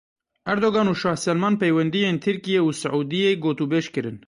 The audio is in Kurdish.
Erdogan û Şah Selman peywendiyên Tirkiye û Siûdiyê gotûbêj kirin.